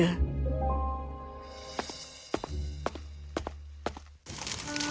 aku tahu apa yang terjadi